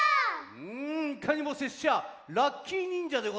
うんいかにもせっしゃラッキィにんじゃでござる。